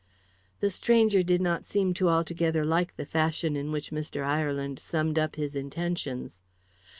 The stranger did not seem to altogether like the fashion in which Mr. Ireland summed up his intentions.